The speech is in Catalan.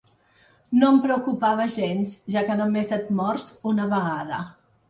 “No em preocupava gens, ja que només et mors una vegada”.